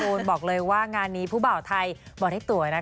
คุณบอกเลยว่างานนี้ผู้บ่าวไทยบอกให้ตัวนะคะ